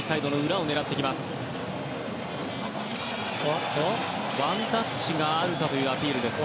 ワンタッチがあるかというアピールです。